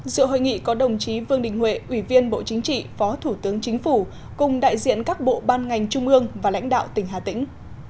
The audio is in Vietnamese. sự hội nghị có đồng chí vương đình huệ ủy viên bộ chính trị phó thủ tướng chính phủ cùng đại diện các bộ ban ngành trung ương và lãnh đạo tỉnh hà tĩnh